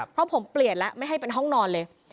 เพราะผมเปลี่ยนแล้วไม่ให้เป็นห้องนอนเลย